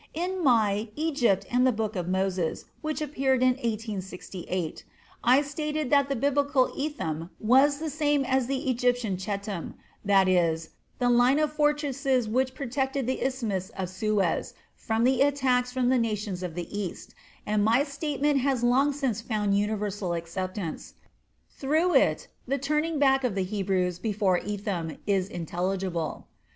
In my "Egypt and the Books of Moses" which appeared in 1868, I stated that the Biblical Etham was the same as the Egyptian Chetam, that is, the line of fortresses which protected the isthmus of Suez from the attacks of the nations of the East, and my statement has long since found universal acceptance. Through it, the turning back of the Hebrews before Etham is intelligible.